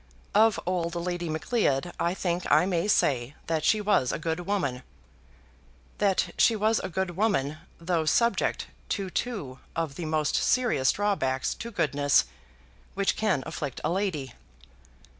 Of old Lady Macleod I think I may say that she was a good woman; that she was a good woman, though subject to two of the most serious drawbacks to goodness which can afflict a lady.